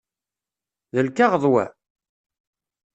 D lkaɣeḍ wa?